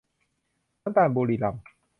น้ำตาลบุรีรัมย์